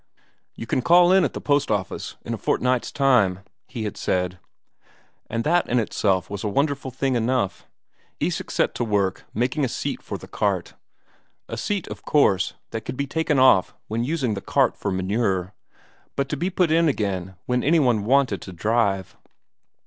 "You can call in at the post office in a fortnight's time," he had said. And that in itself was a wonderful thing enough. Isak set to work making a seat for the cart. A seat, of course, that could be taken off when using the cart for manure, but to be put in again when any one wanted to drive.